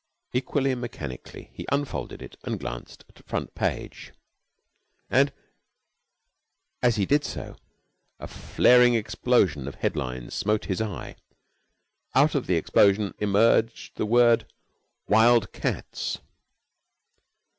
Equally mechanically he unfolded it and glanced at front page; and, as he did do, a flaring explosion of headlines smote his eye. Out of the explosion emerged the word "WILD CATS".